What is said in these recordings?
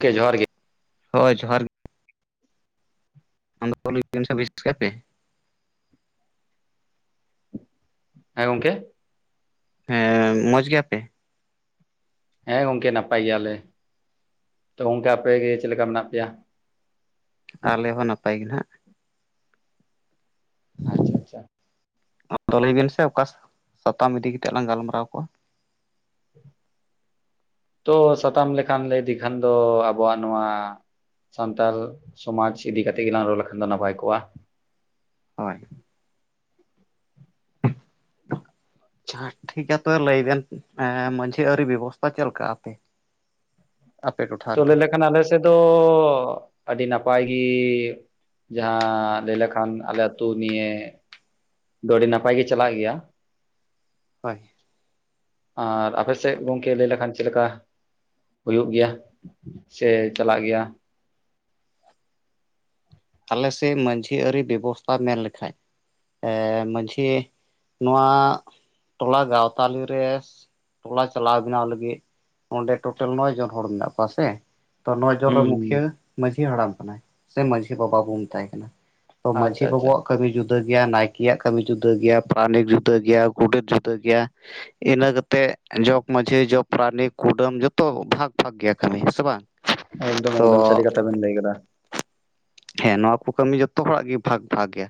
ᱜᱚᱝᱠᱮ ᱡᱚᱦᱟᱨ ᱜᱮ ᱾ ᱦᱳᱭ ᱡᱚᱦᱟᱨ ᱜᱮ [unintelligible] ᱦᱮᱸ ᱜᱚᱢᱠᱮ ᱾ ᱦᱮᱸ ᱢᱚᱸᱡᱽ ᱜᱮᱭᱟᱯᱮ! ᱦᱮᱸ ᱜᱚᱝᱠᱮ ᱱᱟᱯᱟᱭ ᱜᱮᱭᱟᱞᱮ ᱛᱚ ᱜᱚᱝᱠᱮ ᱟᱯᱮ ᱜᱮ ᱪᱮᱞᱠᱟ ᱢᱮᱱᱟᱜ ᱯᱮᱭᱟ? ᱟᱞᱮ ᱦᱚᱸ ᱱᱟᱯᱟᱭ ᱜᱮ ᱱᱟᱦᱟᱜ ᱾ ᱟᱪᱪᱷᱟ ᱟᱪᱪᱷᱟ ᱾ [unintelligible] ᱞᱟᱹᱭ ᱵᱮᱱ ᱥᱮ ᱚᱠᱟ ᱥᱟᱛᱟᱢ ᱤᱫᱤ ᱠᱟᱛᱮᱜ ᱞᱟᱝ ᱜᱟᱞᱢᱟᱨᱟᱣ ᱠᱚᱜ-ᱟ? [inaudible] ᱛᱚ ᱥᱟᱛᱟᱢ ᱞᱮᱠᱷᱟᱱ ᱞᱟᱹᱭ ᱞᱮᱠᱷᱟᱱ ᱫᱚ ᱟᱵᱚᱣᱟᱜ ᱱᱚᱣᱟ ᱥᱟᱱᱛᱟᱞ ᱥᱚᱢᱟᱡᱽ ᱤᱫᱤ ᱠᱟᱛᱮ ᱜᱮᱞᱟᱝ ᱨᱚᱲ ᱞᱮᱠᱷᱟᱱ ᱫᱚ ᱱᱟᱯᱟᱭ ᱠᱚᱜᱼᱟ ᱾ ᱦᱳᱭ [unintelligible] ᱴᱷᱤᱠ ᱜᱮᱭᱟ ᱛᱚᱵᱮ ᱞᱟᱹᱭ ᱵᱮᱱ ᱮᱸ ᱢᱟᱺᱡᱷᱤ ᱟᱹᱨᱤ ᱵᱮᱵᱚᱥᱛᱟ ᱪᱮᱞᱠᱟ ᱟᱯᱮ ᱟᱯᱮ ᱴᱚᱴᱷᱟ ᱛᱚ ᱨᱮᱫᱚ ᱞᱟᱹᱭ ᱞᱮᱠᱷᱟᱱ ᱟᱞᱮ ᱥᱮᱫ ᱫᱚ ᱟᱹᱰᱤ ᱱᱟᱯᱟᱭ ᱜᱮ ᱾ ᱡᱟᱦᱟᱸ ᱞᱟᱹᱭ ᱞᱮᱠᱷᱟᱱ ᱟᱞᱮ ᱟᱹᱛᱩ ᱱᱤᱭᱮ ᱾ ᱛᱚ ᱟᱹᱰᱤ ᱱᱟᱯᱟᱭ ᱜᱮ ᱪᱟᱞᱟᱜ ᱜᱮᱭᱟ ᱾ ᱦᱳᱭ ᱟᱨ ᱟᱯᱮ ᱥᱮᱜ ᱜᱚᱝᱠᱮ ᱞᱟᱹᱭ ᱞᱮᱠᱷᱟᱱ ᱪᱮᱞᱠᱟ? ᱦᱩᱭᱩᱜ ᱜᱮᱭᱟ ᱥᱮ ᱪᱟᱞᱟᱜ ᱜᱮᱭᱟ ᱾ ᱛᱟᱦᱚᱞᱮ ᱥᱮᱭ ᱢᱟᱺᱡᱷᱤ ᱟᱹᱨᱤ ᱵᱮᱵᱚᱥᱛᱟ ᱢᱮᱱ ᱞᱮᱠᱷᱟᱡ ᱾ ᱮᱸ ᱢᱟᱺᱡᱷᱤ ᱱᱚᱣᱟ ᱴᱚᱞᱟ ᱜᱟᱶᱛᱟᱞᱤ ᱨᱮᱥ ᱴᱚᱞᱟ ᱪᱟᱞᱟᱣ ᱵᱮᱱᱟᱣ ᱞᱟᱹᱜᱤᱫ ᱚᱸᱰᱮ ᱴᱳᱴᱮᱞ ᱱᱚᱭ ᱡᱚᱱ ᱦᱚᱲ ᱢᱮᱱᱟᱜ ᱠᱚᱣᱟ ᱥᱮ ᱾ ᱛᱚ ᱱᱚᱭ ᱡᱚᱱ ᱨᱮ ᱦᱩᱸ ᱦᱩᱸ ᱢᱩᱠᱷᱭᱤᱭᱟᱹ ᱢᱟᱺᱡᱷᱤ ᱦᱟᱲᱟᱢ ᱠᱟᱱᱟᱭ ᱥᱮ ᱢᱟᱺᱡᱷᱤ ᱵᱟᱵᱟ ᱵᱚᱱ ᱢᱮᱛᱟᱭ ᱠᱟᱱᱟ ᱾ ᱛᱚ ᱢᱟᱺᱡᱷᱤ ᱟᱪᱪᱷᱟ ᱟᱪᱪᱷᱟ ᱵᱟᱵᱟᱣᱟᱜ ᱠᱟᱹᱢᱤ ᱡᱩᱫᱟᱹ ᱜᱮᱭᱟ ᱱᱟᱭᱠᱤᱭᱟᱜ ᱠᱟᱹᱢᱤ ᱡᱩᱫᱟᱹ ᱜᱮᱭᱟ ᱯᱨᱟᱱᱤᱠ ᱡᱩᱫᱟᱹ ᱜᱮᱭᱟ ᱜᱚᱰᱮᱛ ᱡᱩᱫᱟᱹ ᱜᱮᱭᱟ ᱾ ᱤᱱᱟᱹ ᱠᱟᱛᱮᱜ ᱡᱚᱜᱽ ᱢᱟᱺᱡᱷᱤ ᱡᱚᱜᱽ ᱯᱨᱟᱱᱤᱠ ᱠᱩᱰᱟᱹᱢ ᱡᱚᱛᱚ ᱵᱷᱟᱜᱽ ᱵᱷᱟᱜᱽ ᱜᱮᱭᱟ ᱠᱟᱹᱢᱤ ᱦᱮᱸᱥᱮ ᱵᱟᱝ? ᱮᱠᱫᱚᱢ ᱛᱚ ᱮᱠᱫᱚᱢ ᱥᱟᱹᱨᱤ ᱠᱟᱛᱷᱟ ᱵᱮᱱ ᱞᱟᱹᱭ ᱠᱟᱫᱟ ᱾ ᱦᱮᱸ ᱱᱚᱣᱟ ᱠᱚ ᱠᱟᱹᱢᱤ ᱡᱚᱛᱚ ᱦᱚᱲᱟᱜ ᱜᱮ ᱵᱷᱟᱜᱽ ᱵᱷᱟᱜ ᱜᱮᱭᱟ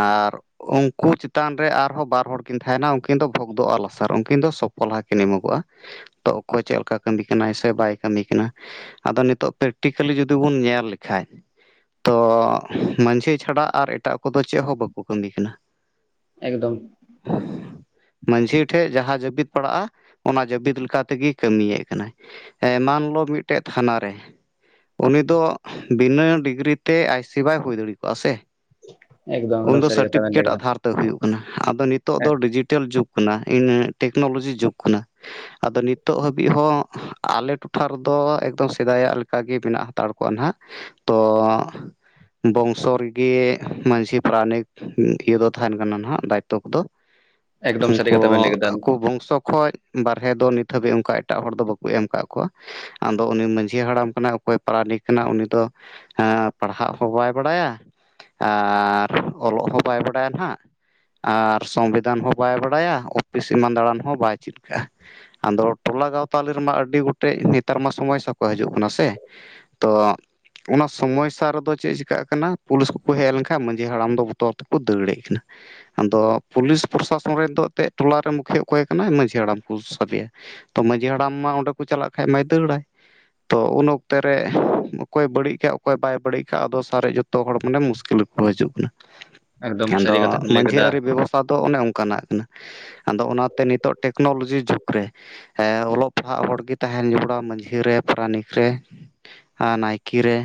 ᱟᱨ ᱩᱱᱠᱩ ᱪᱮᱛᱟᱱ ᱨᱮ ᱟᱨᱦᱚᱸ ᱵᱟᱨ ᱦᱚᱲ ᱠᱤᱱ ᱛᱟᱦᱮᱱᱟ ᱩᱱᱠᱤᱱ ᱫᱚ ᱵᱷᱚᱜᱽᱫᱚ ᱟᱨ ᱞᱟᱥᱟᱨ ᱩᱱᱠᱤᱱ ᱫᱚ ᱥᱚᱯᱚᱞᱟᱦᱟ ᱠᱤᱱ ᱮᱢᱚᱜᱚᱜᱼᱟ ᱾ ᱛᱚ ᱚᱠᱚᱭ ᱪᱮᱜ ᱞᱮᱠᱟ ᱠᱟᱹᱢᱤ ᱠᱟᱱᱟᱭ ᱥᱮ ᱵᱟᱭ ᱠᱟᱹᱢᱤ ᱠᱟᱱᱟ ᱾ ᱟᱫᱚ ᱱᱤᱛᱚᱜ ᱯᱨᱮᱠᱴᱤᱠᱮᱞᱤ ᱡᱩᱫᱤ ᱵᱚᱱ ᱧᱮᱞ ᱞᱮᱠᱷᱟᱡ ᱾ ᱛᱚ ᱢᱟᱺᱡᱷᱤ ᱪᱷᱟᱰᱟ ᱟᱨ ᱮᱴᱟᱜ ᱠᱚᱫᱚ ᱪᱮᱫ ᱦᱚᱸ ᱵᱟᱠᱚ ᱠᱟᱹᱢᱤ ᱠᱟᱱᱟ ᱾ ᱮᱠᱫᱚᱢ ᱾ [inaudible] ᱢᱟᱺᱡᱷᱤ ᱴᱷᱮᱡ ᱡᱟᱦᱟᱸ ᱡᱟᱹᱵᱤᱫ ᱯᱟᱲᱟᱜᱼᱟ ᱚᱱᱟ ᱡᱟᱹᱵᱤᱫ ᱞᱮᱠᱟ ᱞᱮᱠᱟ ᱛᱮᱜᱮᱭ ᱠᱟᱹᱢᱤᱭᱮᱜ ᱠᱟᱱᱟᱭ ᱾ ᱮᱢᱟᱱᱞᱚ ᱢᱤᱫᱴᱮᱱ ᱛᱷᱟᱱᱟ ᱨᱮ ᱩᱱᱤ ᱫᱚ ᱵᱤᱱᱟᱹ ᱰᱤᱜᱽᱨᱤ ᱛᱮ ᱟᱭ ᱥᱤ ᱵᱟᱭ ᱦᱩᱭ ᱫᱟᱲᱮ ᱠᱚᱜᱼᱟ ᱥᱮ ᱮᱠᱫᱚᱢ ᱮᱠᱫᱚᱢ ᱩᱱᱫᱚ ᱥᱟᱹᱨᱤ ᱠᱟᱛᱷᱟ ᱵᱮᱱ ᱞᱟᱹᱭ ᱥᱟᱨᱴᱤᱯᱷᱤᱠᱮᱴ ᱠᱮᱫᱟ ᱟᱫᱷᱟᱨ ᱛᱟᱹ ᱦᱩᱭᱩᱜ ᱠᱟᱱᱟ ᱟᱫᱚ ᱱᱤᱛᱚᱜ ᱫᱚ ᱰᱤᱡᱤᱴᱮᱞ ᱡᱩᱜᱽ ᱠᱟᱱᱟ ᱤᱱ ᱴᱮᱠᱱᱳᱞᱚᱡᱤ ᱡᱩᱜᱽ ᱠᱟᱱᱟ᱾ ᱟᱫᱚ ᱱᱤᱛᱚᱜ ᱦᱟᱹᱵᱤᱡ ᱦᱚᱸ ᱟᱞᱮ ᱴᱚᱴᱷᱟ ᱨᱮᱫᱚ ᱮᱠᱫᱚᱢ ᱥᱮᱫᱟᱭᱟᱜ ᱞᱮᱠᱟᱜᱮ ᱢᱮᱱᱟᱜ ᱦᱟᱛᱟᱲ ᱠᱚᱜᱣᱟ ᱦᱱᱟᱜ᱾ ᱛᱚ ᱵᱚᱝᱥᱚ ᱨᱮᱜᱤ ᱢᱟᱺᱡᱷᱤ ᱯᱟᱨᱟᱱᱤᱠ ᱤᱭᱟᱹ ᱫᱚ ᱛᱟᱦᱮᱱ ᱠᱟᱱᱟ ᱱᱟᱟᱜ ᱫᱟᱭᱤᱛᱛᱚ ᱠᱚᱫᱚ᱾ ᱮᱠᱫᱚᱢ ᱥᱟᱹᱨᱤ ᱩᱱᱠᱩ ᱠᱟᱛᱷᱟ ᱵᱮᱱ ᱞᱟᱹᱭ ᱠᱮᱫᱟ ᱟᱠᱚ ᱵᱚᱝᱥᱚ ᱠᱷᱚᱡ ᱵᱟᱨᱦᱮ ᱫᱚ ᱱᱤᱛ ᱦᱟᱹᱵᱤᱡ ᱚᱱᱠᱟ ᱮᱴᱟᱜ ᱦᱚᱲ ᱫᱚ ᱵᱟᱠᱚ ᱮᱢ ᱠᱟᱜ ᱠᱚᱣᱟ᱾ ᱟᱫᱚ ᱩᱱᱤ ᱢᱟᱺᱡᱷᱤ ᱦᱟᱲᱟᱢ ᱠᱟᱱᱟᱭ, ᱚᱠᱚᱭ ᱯᱟᱨᱟᱱᱤᱠ ᱠᱟᱱᱟᱭ ᱩᱱᱤ ᱫᱚ ᱮᱸ ᱯᱟᱲᱦᱟᱜ ᱦᱚᱸ ᱵᱟᱭ ᱵᱟᱲᱟᱭᱟ ᱟᱨ ᱚᱞᱚᱜ ᱦᱚᱸ ᱵᱟᱭ ᱵᱟᱰᱟᱭᱟ ᱱᱟᱦᱟᱜ᱾ ᱟᱨ ᱥᱚᱝᱵᱤᱫᱷᱟᱱ ᱦᱚᱸ ᱵᱟᱭ ᱵᱟᱲᱟᱭᱟ᱾ ᱚᱯᱷᱤᱥ ᱮᱢᱟᱱ ᱫᱟᱬᱟᱱ ᱦᱚᱸ ᱵᱟᱭ ᱪᱮᱫ ᱠᱟᱜ-ᱟ᱾ ᱟᱫᱚ ᱴᱚᱞᱟ ᱜᱟᱶᱛᱟᱞᱮ ᱨᱮᱢᱟ ᱟᱹᱰᱤ ᱜᱚᱴᱮᱡ ᱱᱮᱛᱟᱨ ᱢᱟ ᱥᱚᱢᱚᱭ ᱦᱤᱥᱟᱵ ᱠᱚ ᱦᱤᱡᱩᱜ ᱠᱟᱱᱟ ᱥᱮ᱾ ᱛᱚ ᱚᱱᱟ ᱥᱚᱢᱚᱭ ᱥᱟ ᱨᱮᱫᱚ ᱪᱮᱫ ᱪᱤᱠᱟᱹᱜ ᱠᱟᱱᱟ᱾ ᱯᱩᱞᱤᱥ ᱠᱚᱠᱚ ᱦᱮᱡ ᱞᱮᱱᱠᱷᱟᱱ ᱢᱟᱺᱡᱷᱤ ᱦᱟᱲᱟᱢ ᱫᱚ ᱵᱚᱛᱚᱨ ᱛᱮᱠᱚ ᱫᱟᱹᱲᱮᱜ ᱠᱟᱱᱟ᱾ ᱟᱫᱚ ᱯᱩᱞᱤᱥ ᱯᱨᱚᱥᱟᱥᱚᱱ ᱨᱮᱱ ᱫᱚ ᱮᱱᱛᱮᱫ ᱴᱚᱟᱨᱮ ᱢᱩᱠᱷᱤᱭᱟᱹ ᱚᱠᱚᱭ ᱠᱟᱱᱟᱭ ᱢᱟᱺᱡᱷᱤ ᱦᱟᱲᱟᱢ ᱠᱚ ᱥᱟᱰᱮᱭᱟ᱾ ᱛᱚ ᱢᱟᱺᱡᱷᱤ ᱦᱟᱲᱟᱢ ᱢᱟ ᱚᱸᱰᱮ ᱠᱚ ᱪᱟᱞᱟᱜ ᱠᱷᱟᱡ ᱢᱟᱹᱭ ᱫᱟᱹᱲᱟᱭ᱾ ᱛᱚ ᱩᱱ ᱚᱠᱛᱮ ᱨᱮ ᱚᱠᱚᱭ ᱵᱟᱹᱲᱤᱡ ᱠᱟᱫ ᱚᱠᱚᱭ ᱵᱟᱭ ᱵᱟᱹᱲᱤᱡ ᱠᱟᱜ ᱟᱫᱚ ᱥᱟᱦᱟᱨᱮ ᱡᱚᱛᱚ ᱦᱚᱲ ᱢᱟᱱᱮ ᱢᱩᱥᱠᱤᱞ ᱨᱮᱠᱚ ᱦᱤᱡᱩᱜ ᱮᱠᱫᱚᱢ ᱠᱟᱱᱟ᱾ ᱟᱫᱚ ᱥᱟᱹᱨᱤ ᱠᱟᱛᱷᱟ ᱵᱮᱱ ᱞᱟᱹᱭ ᱢᱟᱺᱡᱷᱤ ᱠᱮᱫᱟ ᱟᱹᱨᱤ ᱵᱮᱵᱚᱥᱛᱷᱟ ᱫᱚ ᱚᱱᱮ ᱚᱱᱠᱟᱱᱟᱜ ᱠᱟᱱᱟ᱾ ᱟᱫᱚ ᱚᱱᱟᱛᱮ ᱱᱤᱛᱚᱜ ᱴᱮᱠᱱᱳᱞᱚᱡᱤ ᱡᱩᱜᱽ ᱨᱮ ᱦᱮ ᱚᱞᱚᱜ ᱯᱟᱲᱦᱟᱜ ᱦᱚᱲᱜᱮ ᱛᱟᱦᱮᱱ ᱡᱚᱯᱲᱟᱣ ᱢᱟᱺᱡᱷᱤ ᱨᱮ, ᱯᱟᱨᱟᱱᱤᱠ ᱨᱮ᱾ ᱟᱨ ᱱᱟᱭᱠᱮ ᱨᱮ᱾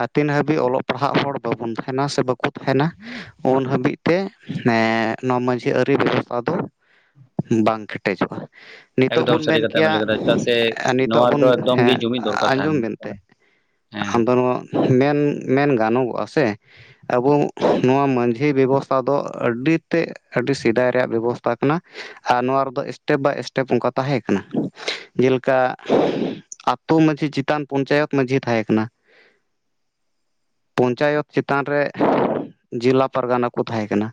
ᱟᱨ ᱛᱤᱱ ᱦᱟᱹᱵᱤᱡ ᱚᱞᱚᱜ ᱯᱟᱲᱦᱟᱜ ᱦᱚᱲ ᱵᱟᱵᱩᱱ ᱛᱟᱦᱮᱱᱟ ᱥᱮ ᱵᱟᱠᱚ ᱛᱟᱦᱮᱱᱟ᱾ ᱩᱱ ᱦᱟᱹᱵᱤᱡ ᱛᱮ ᱱᱮ ᱱᱚᱣᱟ ᱢᱟᱺᱡᱷᱤ ᱟᱹᱨᱤ ᱵᱮᱵᱚᱥᱛᱷᱟ ᱫᱚ ᱵᱟᱝ ᱠᱮᱴᱮᱡᱚᱜ-ᱟ᱾ ᱱᱤᱛᱚᱜ ᱮᱠᱫᱚᱢ ᱵᱚᱱ ᱥᱟᱹᱨᱤ ᱢᱮᱱ ᱠᱟᱛᱷᱟ ᱵᱮᱱ ᱠᱮᱭᱟ ᱞᱟᱹᱭ ᱠᱮᱫᱟ ᱪᱮᱫᱟᱜ ᱥᱮ ᱮ ᱱᱤᱛᱚᱜ ᱱᱚᱣᱟ ᱵᱚᱱ ᱨᱮᱫᱚ ᱮᱠᱫᱚᱢ ᱦᱮᱸ ᱜᱮ ᱡᱩᱢᱤᱫ ᱫᱚᱨᱠᱟᱨ ᱛᱟᱦᱮᱱ ᱟᱸᱡᱚᱢ ᱵᱮᱱᱛᱮ᱾ ᱠᱟᱱᱟ ᱦᱮᱸ ᱟᱢᱫᱚ ᱱᱚᱣᱟ ᱢᱮᱱ ᱢᱮᱱ ᱜᱟᱱᱚᱜᱚᱜᱼᱟ ᱥᱮ᱾ ᱟᱵᱚ ᱱᱚᱣᱟ ᱢᱟᱺᱡᱷᱤ ᱵᱮᱵᱚᱥᱛᱷᱟ ᱫᱚ ᱟᱹᱰᱤ ᱛᱮᱫ ᱟᱹᱰᱤ ᱥᱮᱫᱟᱭ ᱨᱮᱭᱟᱜ ᱵᱮᱵᱚᱥ ᱛᱟ ᱠᱟᱱᱟ ᱟᱨ ᱱᱚᱣᱟ ᱨᱮᱫᱚ ᱥᱴᱮᱯ ᱵᱟᱭ ᱥᱴᱮᱯ ᱚᱱᱠᱟ ᱛᱟᱦᱮᱸ ᱠᱟᱱᱟ᱾ ᱡᱮᱞᱮᱠᱟ ᱟᱛᱳ ᱢᱟᱺᱡᱷᱤ ᱪᱮᱛᱟᱱ ᱯᱚᱧᱪᱟᱭᱮᱛ ᱢᱟᱺᱡᱷᱤ ᱛᱟᱦᱮᱸ ᱠᱟᱱᱟ᱾ ᱯᱚᱧᱪᱟᱭᱚᱛ ᱪᱮᱛᱟᱱ ᱨᱮ ᱡᱮᱞᱟ ᱯᱟᱨᱜᱟᱱᱟ ᱠᱚ ᱛᱟᱦᱮᱸ ᱠᱟᱱᱟ᱾